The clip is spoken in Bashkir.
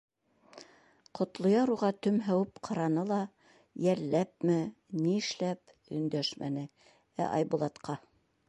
Ҡотлояр уға төмһәүеп ҡараны ла йәлләпме, ни эшләп, өндәшмәне, ә Айбулатҡа: